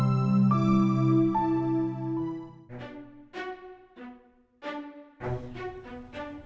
pindah dalem ya